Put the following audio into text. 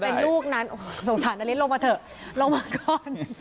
อาจจะเป็นลูกนั้นโอ้โฮสงสารนาฬิกลงมาเถอะลงมาก่อน